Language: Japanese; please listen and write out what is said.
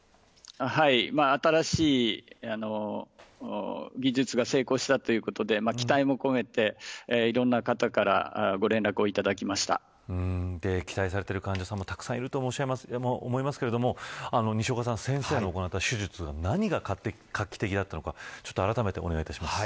新しい技術が成功したということで期待も込めていろんな方から期待されている患者さんもたくさんいると思いますが西岡さん、先生が行った手術何が画期的だったのかあらためてお願いいたします。